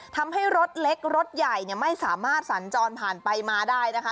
ทำให้รถเล็กรถใหญ่ไม่สามารถสัญจรผ่านไปมาได้นะคะ